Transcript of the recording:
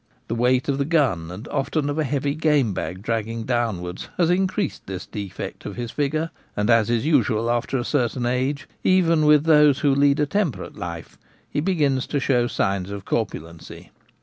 The weight of the gun, and often of a heavy game bag dragging downwards, has increased this defect of his figure, and, as is usual after a certain age, even with those who lead a temperate life, he begins to show signs of corpulency.